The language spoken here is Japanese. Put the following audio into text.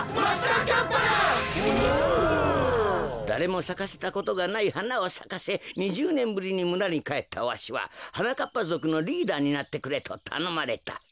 だれもさかせたことがないはなをさかせ２０ねんぶりにむらにかえったわしははなかっぱぞくのリーダーになってくれとたのまれた。